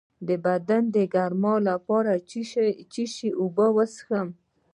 د بدن د ګرمۍ لپاره د څه شي اوبه وڅښم؟